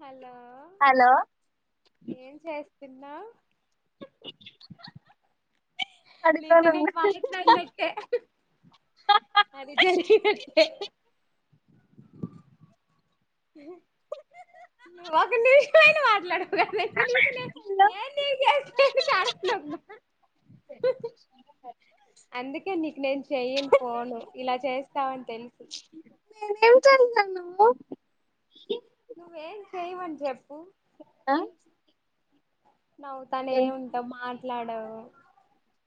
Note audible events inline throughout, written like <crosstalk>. హాల్లో హాల్లో తిన్నా పడుకోనున్న లేతనేక్ మాట్లాడిన్నట్టే అది జరిగిన్నట్లే ఒక నిమిషమైన మాట్లాడు హలో <unintelligible> ఎం <unintelligible> అందుకే నీకు నేను చెయ్యను ఫోను ఇలా చేస్తావని తెలుసు ఎం తింటున్నావ్ నువ్వు నువ్వేం చెయవని చెప్పు ఆ నవ్వుతానే ఉంటా మార్ లాడవ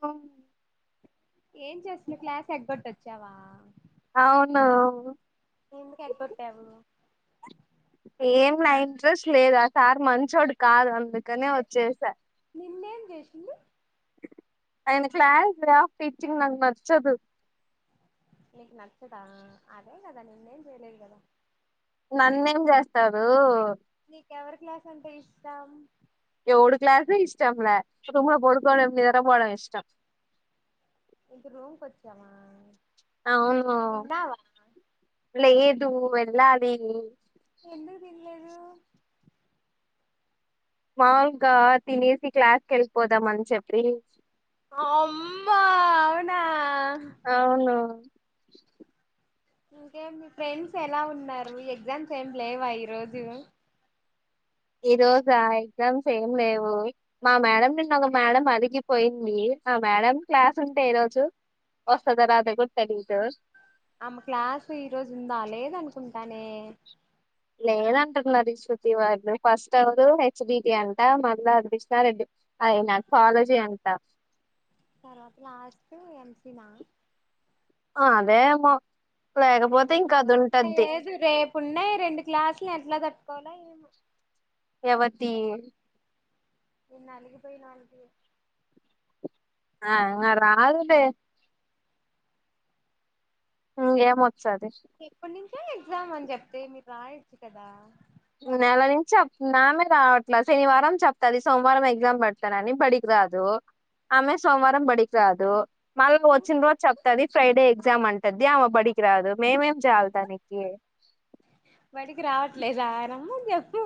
అవు ఏం చేస్తున్నవ్ క్లాస్ ఎగ్గొట్టొచ్చావా అవును ఎందుకు ఎగ్గొట్టావు ఏం లా ఇంట్రెస్ట్ లేదు ఆ సార్ మంచోడు కాదు అందుకనే వచ్చేస నిన్నేం చేసింది అయన క్లాస్ రా టీచింగ్ నాకు నచ్చదు నీకు నచ్చదా అదే కదా నిన్నేం చేయలేదు కదా నన్నేం చేస్తారు. ఎవరి క్లాస్ అంటే ఇష్టం. ఎవడు క్లాస్ ఇష్టంల రూమ్ లో పడుకోవడం లేదా నిద్ర పోవడం ఇష్టం. ఇక రూమ్కి వచ్చమా అవును లేదు వెళ్ళాలి. ఎందుకు తినలేదు మాములుగా తినేసి క్లాస్కి వెళ్ళిపోదామని చెప్పి అమ్మా అవునా అవును ఇంకేం మీ ఫ్రెండ్స్ ఎలా ఉన్నారు ఎగ్జామ్స్ ఏం లేవా ఈరోజు ఈ రోజా ఎగ్జామ్స్ ఏం లేవు. మా మేడం నిన్న ఒక మేడం అలిగిపోయింది. ఆ మేడం క్లాస్ ఉంటే ఈ రోజు వస్తదరాద కూడా తెలియదు. ఆమె క్లాస్ ఈ రోజు ఉందా లేద అనుకుంటు కానీ లేదంటున్నారు. శృతి వాళ్ళు ఫస్ట్ ఎవరు హెచ్ డి టి అంట మళ్ళీ కృష్ణ రెడ్డి అయన కాలేజీ అంట. తర్వాత లాస్ట్ ఎంసిన ఆ అదేమ్ మా లేదు రేపున్నాయి. రెండు గ్లాసులు ఎట్లా తప్ప పోల ఏమో ఎవరితి ఎ నలగి పోయి నాలుకి ఆ అ రాదులే ఏమో సాధే ఎప్పటి నుంచో ఎగ్జామ్ అని చెప్తే మీరు రాయచ్చు కదా నెల నుంచి చెప్ ఆమె రావట్లే శనివారం చెప్తది. సోమవారం ఎగ్జామ్ పెడతనని, బడికి రాదు ఆమె సోమవారం బడికి రాదు. మళ్ళీ వచ్చిన రోజు చెప్తాది ఫ్రైడే చేద్దామంటే దా ఆమె బడికి రాదు మేం ఏం చాలత నికి బడికి రావట్లేదా రమ్మని చెప్పు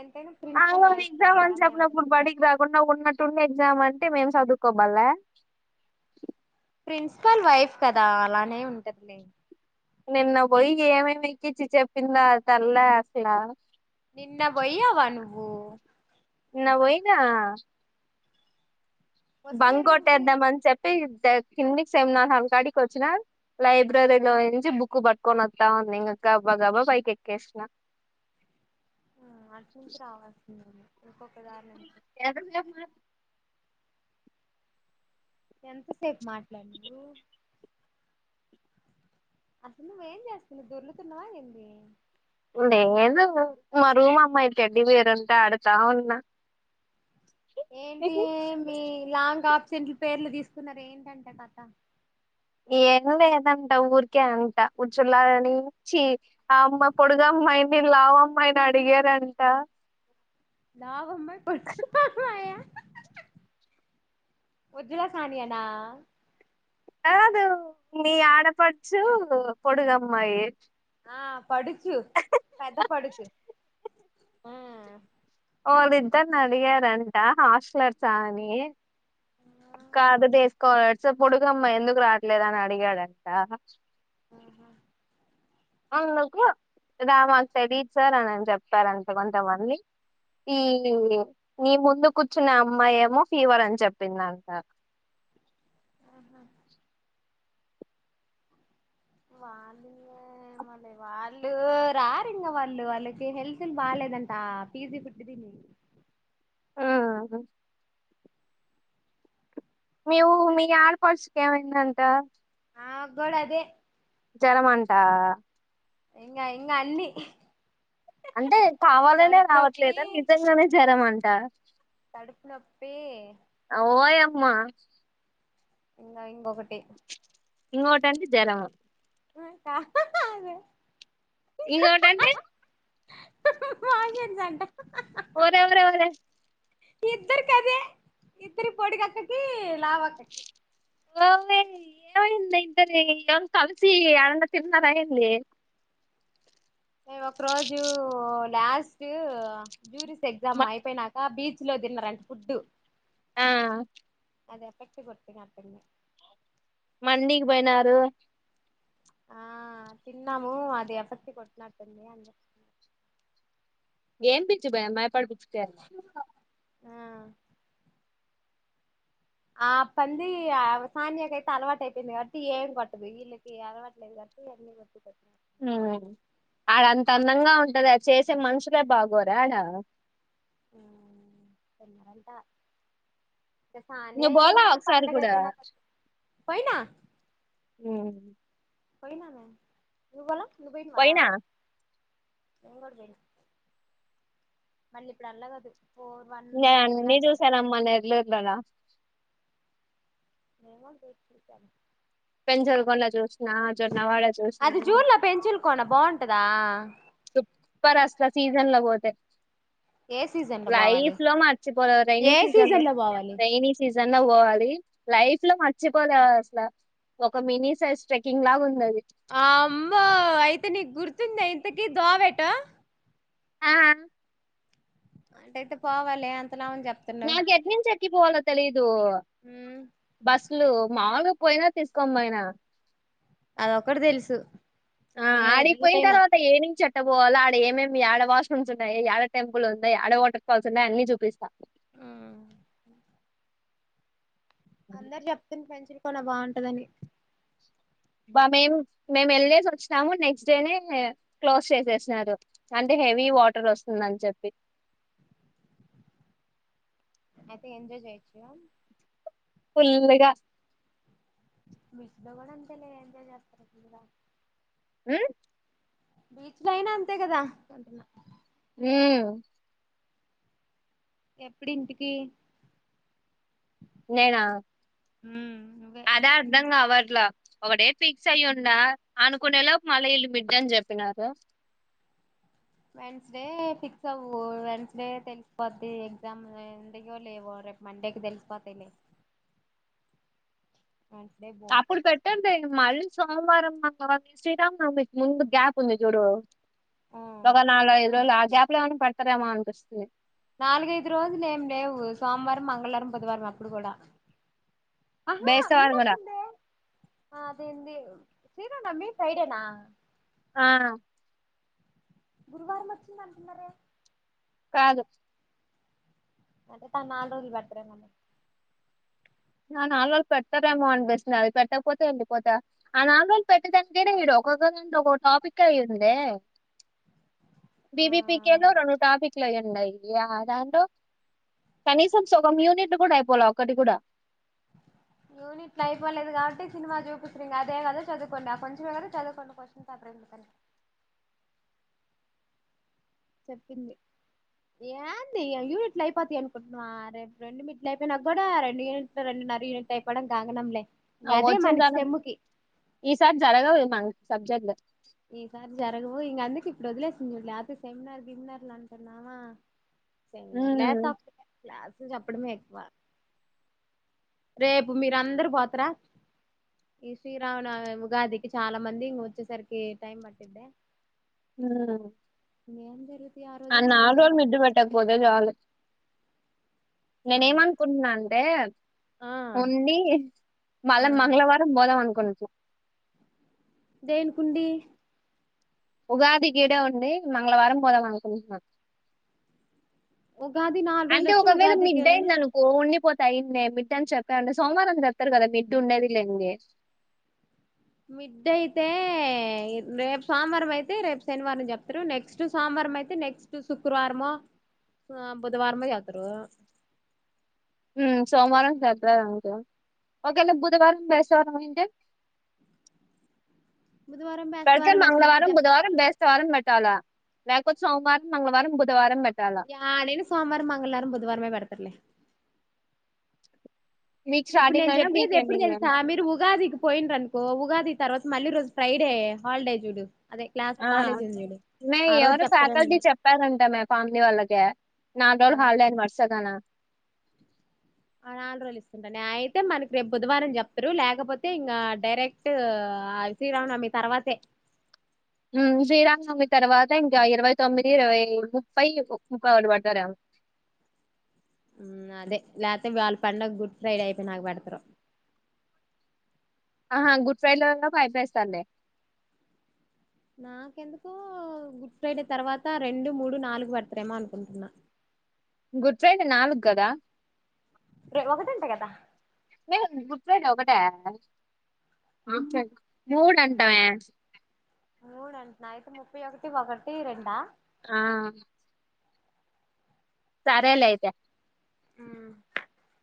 ఎంతైనా అవు ప్రిన్సిపల్ అది వైఫ్ కదా ఎగ్జాం అని అలానే ఉంటది చెప్పినపుడు బడికి రాకుండా ఫోన్ మట్ ఎగ్జామ్ అంటే మేము చదువుకోమళ్లే ప్రిన్సిపల్ వైఫ్ కదా అలానే ఉంటది నేను నిన్న పొయికి ఏమమి ఎక్కిచ్చి చెప్పిందా తెల్ల అసలా నిన్నపోయావా నువ్వు నిన్న పోయిన వస్తవే బంగ్ రూమ్ కి కోటేద్దామ అని చెప్పి కిందకి సేమ్నాకాడికి వచ్చిన లైబ్రరీలో నుంచి బుక్ పట్టుకొని వస్తా ఉంది ఇంకా అబ్బా గబ్బా పైకి ఎక్కేసిన. ఆ అట్నీ నుంచి రావాల్సింది ఇంకొక దారి నుంచి ఎంతసేపు మాట్లాన్నావు అసలు నువ్వేం చేస్తన్నవ్ దొర్లుతున్నవా ఏంది లేదు మా రూమమ్మాయి టెడ్డిబేర్ ఉంటే ఆడతా ఉన్నా ఏంటి మీ లాంగ్ ఆప్సెంట్లు పేర్లు తీసు కున్నవేంటంట కథ ఏం లేదంట ఊరికే అంట ఉచ్చులాగా అని చి ఆ అమ్మా పొడుగమ్మాయిని నేను లావమ్మాయిని అడిగారంట లావమ్మాయి పొట్టమ్మాయ ఉజ్లసానియన కాదు మీ ఆడపడుచు పొడుగమ్మాయి ఆ పడుచు పెద్ద పడుచు మ్మ్ వాళ్ళిద్దరిని అడిగారంట హాస్టలర్స అని కాదు డేస్కలర్స్ పొడుగమ్మాయి ఎందుకు రాట్లేదు అని అడిగాడంట అందుకు రా మాకు చెడిచ్చార్ అనని చెప్పారంటే కొంతమంది ఈ నీ ముందు కూర్చున్నా అమ్మాయి ఏమో ఫీవర్ అని చెప్పింది అంట వాళ్ళు మళ వాళ్ళు రారు ఇంగ వాళ్ళు వాళ్ళకి హెల్త్ లు బాలేదంట పీజీ ఫుడ్డు తిని ఆ మీవు మీ ఆడపడుచు కేమైందంట నాగ్గూడ అదే జరమంటా ఇంగ ఇంగ అన్ని అంటే కావాలనే కడుపు రావట్లేద నిజంగానే జ్వరం మని దా కడుపునొప్పి మా ఇంగ ఇంకొకటి ఇంకోటి అంటే జరము ఆకా అదే ఇంకకోట అంటే ఫషన్ అంట ఒరేరే ఒరే ఇద్దరు కదే ఇద్దరి పొడిగ అక్కకి లావా అక్కకి ఓ ఏవ ఇంద ఇంతరి ఏవన్ కలసి అరండ తిన్నార ఏంది మేము ఒక రోజు లాస్ట్ జ్యూరిస్ ఎగ్జామ్ అయిపోయినాక బీచ్ లో తిన్నరంటే ఫుడ్డు ఆ అది ఎఫెక్ట్ కొట్టిన అప్పుడు మండీకి పోయినారు ఆ తిన్నాము అది ఎఫెక్ట్ కొట్టినట్టుంది అం ఏం బీచు భయ్యా మైపాడు బీచ్ చె ఆ పంది ఆ సానియాకైతే అలవాటు అయిపోయింది కాబట్టి ఏం కొట్టదు వీళ్ళకి అలవాటు లేదు కాబట్టి అన్ని కొట్ కొ హ్మ్ఆడ అంత అందంగా ఉంటది అది చేసే మనుషులే బాగోర ఆడ తన్నా సానియా నువ్వు ఏమో పోలా ఒకసారి పండగ కూడా అయిపోయినాక వస్ పోయినా నువ్వు పోలా నువ్వు పోయినువా పోయినా <inaudible> మళ్ళీ ఇప్పుడు అల్లాగదు నేను అన్నీ చూసానమ్మా నెల్లూర్లలో <inaudible> పెంచలకోన చూసిన జొన్నవాడ చూసిన దా సుప్పరస్లా సీజన్లో బోతే ఏ సీజన్ లో పోవాలి లైఫ్ లో మర్చిపోలేం రెైనీ సీజన్ లో రెయినీ సీజన్ లో వోవాలి. లైఫ్ లో మర్చిపోదు అసలు ఒక మినీ సైజ్ ట్రెక్కింగ్ లాగా ఉందది ఆ అమ్మో అయితే నీకు గుర్తుంద ఇంతకి దోవ ఎటో ఆ అట్టయితే పోవాలే నా ఎటు నించి ఎక్కిపోవాలో తెలీదు ఉమ్ బస్లు మామూలుగా పోయినా తీసుకొంబోయినా అదొక్కటి తెలుసు ఆ ఏ రూట్ ఆడికోయిన అయినా తర్వాత ఏనిం చె ట పోవాల ఆడ ఏమేమి యాడ వాష్రూమ్స్ ఉన్నాయి, యాడ టెంపుల్ ఉన్నాయి, యాడ వాటర్ ఫాల్స్ ఉన్నాయి అన్ని చూపిస్తా. మ్మ్ అందరు చెప్తుంది పంచిరి కొనా బాగుంటదని బా మేం మేము వెల్లేసి వచ్చినాము, నెక్స్ట్ డేనే క్లోజ్ చేసేసినారు అంటే హెవీ వాటర్ వస్తుంది అని చెప్పి. అయితే ఎంజాయ్ చేయొచ్చుగా ఫుల్లు గా బీచ్లోగూడ అంతేలే ఎంజాయ్ చేస్తరు ఫుల్లుగా మ్మ్ బీచ్ లో అయినా అంతే కదా అంటున్నా హ్మ్ ఎప్పుడి ఇంటికి నేనా మ్మ్ అదా అర్ధం కావట్లా ఒకడే ఫిక్స్ అయిండా, అనుకునేళ్ళ మళ్ళ ఇల్లు బిడ్డ అని చెప్పినారు వెన్స్డే ఫిక్స్ అవ్వు, వెన్స్డే తెలిసిపోద్ది ఎగ్జామ్ ఎందుో లేవో రేపు మండేకి తెలిసిపోతే లే అప్పుడు పెట్టానిలే మళ్ సోమవారం అంగ శ్రీరామ్నవమికి ముందు గ్యాప్ ఉంది చూడు ఒక నాల ఎదో గ్యాప్ ప్పులా ఏమన్నా పెడుతారేమోనిపిస్తుంది నాలుగైదు రోజులు ఏం లేవు సోమవారం మంగళవారం బుధవారం అప్పుడు కూడా ఆహా బేసేవాళ్ళు కూడా ఉన్నట్టుందే అదేంది సీనన్న మీ సైడేనా హా గురువారం వచ్చిందంట్నారే కాదు <unintelligible> ఆ నాలుగు రోజులు బెడ్తరేమో నా నాలుగు రోజులు పెడతారేమో అనిపిస్తుంది అది పెట్టకపోతే వెళ్ళిపోతా ఆ నాలుగు రోజులు పెట్టే దానికేనే ఇడు ఒకొక్కం ఒక టాపికే అయందే ఆ బీబీపీకే లో రెండు టాపిక్ అట్లయిఉండాయి యావరెండు దాలో కనీసం సగం యూనిట్ కూడా అయిపోలా ఒకటి కూడా యూనిట్లు అయిపోలేదు కాబట్టి సినిమా చూపించిన్రు అదే కదా చదువుకోండి ఆ కొంచెం ఏ కదా చదువుకోండి కోషన్ పేపర్ చెప్పింది ఏంది యూనిట్లు అయిపోతయీ అనుకుంటున్నావ రేపు రెండు మిడ్లు అయిపోయినాక కూడా రెండు యూనిట్లు రెండున్నర యూనిట్లు అయిపోవడం గగనంలే ఇంక అదే మనకి వచ్చిందన సెమ్ముకి ఈసారి జరగవే మన సబ్జెక్ట్ ఏసారి జరగవు ఇంగ అందుకి ఇప్పుడు వదిలేసిందిలే లేకపోతే సెమినార్ గిమినార్లు అట్టుందామా సెమినార్ లే ఉమ్ తొక్కలే క్లా చెప్పడమే ఎక్కువ రేపు మీరందరూ పోతర ఈ శ్రీరామనవమి ఉగాదికి చాలా మంది ఇంగ వచ్చేసరికి టైమ్ పట్టిదా హు ఏ అందరు ఆ నాలురోజులు మిడ్ బెట్టాక్పోతే చాలు నేనే చాలు ఏమనుకుంటున్నా అంటే ఆ ఉండి మళ్ళ ఆ మంగళవారం పోదాం అనుకుం కొంచెం దేనుకుండి ఉగాది ఇడే ఉండి మంగళవారం పోదామనుకుంటున్నా ఉగాది నాలుగు రోజులు అంటే వస్తే ఒకవేళ ఉగాదికి మిడ్ ఏడని అయింది అనుకో ఉండిపోత్ టైం నే మిడ్ అని చెప్పాడి సోమవారం చెప్తారు కదా మిడ్డు ఉండేది లేంది మిడ్ అయితే రేపు సోమవారం అయితే రేపు శనివారం చెప్తారు నెక్స్ట్ సోమవారం అయితే నెక్స్ట్ శుక్రవారమో బుధవారమో చెప్తారు హ్మ్ సోమవారం <unintelligible> అ ఒకవేళ అలా బుధవారం బెస్తవారం అయింటే బుధవారం పెడితే బేస్తవారం అసలు ఎట్ట మంగళవారం చెప్తారు బుధవారం బేస్తవారం పెడ్ లా లేకపోతే సోమవారం మంగళవారం బుధవారం పెట్ట యాడైన సోమవారం మంగళవారం బుధవారమే పెడుతరులే వీక్ ఇప్పుడు స్టార్టింగ్ నేను అయినా చెప్పేది వీక్ ఎప్పుడు ఎండింగ్ తెలుసా అయినా మీరు ఉగాది పోయిండ్ర అనుకో ఉగాది తర్వాత మళ్ళీ రోజు ఫ్రైడే హాలిడే చూడు అదే క్లాస్ ఆ కాలేజ్ ఉంది చూడు మే ఆ రోజు ఎవరు చెప్తారా మన ఫ్యాకల్టీ చెప్పారంట మే పావని వాళ్ళకి నాలుగు రోజులు హాలిడే అని వర్సాగాన ఆ నాలుగు రోజులు ఇస్తుంటాను న అయితే మనకి రేపు బుధవారం చెప్తరు లేకపోతే ఇంకా డైరెక్ట్ ఆ శ్రీరామనవమి తర్వాతే హ్మ్ శ్రీరామనవమి తర్వాత ఇంకా ఇరవై తొమ్మిది ఇరవై ముప్పై ముప్పయొకటి పడతారేమో హ్మ్ అదే లేకపోతే వాళ్ళ పండగ గుడ్ ఫ్రైడే అయిపోయినాక పెడతారు ఆహా గుడ్ ఫ్రైడే లో ఉన్నపుడు అయ్పేస్తాండే నాకెందుకు గుడ్ ఫ్రైడే తర్వాత, రెండు మూడు నాలుగు బర్తడేమో అనుకుంటున్నా గుడ్ ఫ్రైడే నాలుగు కదా ఏ ఒకటీ అంట కదా స ఒకట మూడు అంటనే మూడు అంటున్నా అయితే ముప్పై ఒకటి రెండా ఆ సరేలే అయితే మ్